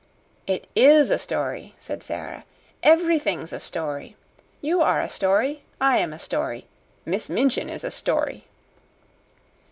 "It IS a story," said Sara. "EVERYTHING'S a story. You are a story I am a story. Miss Minchin is a story."